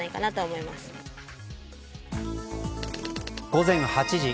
午前８時。